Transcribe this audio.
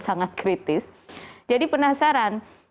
sangat kritis jadi penasaran